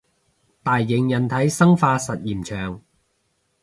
大型人體生化實驗場